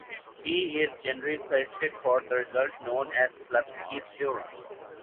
He is generally credited for the result known as Slutsky's theorem.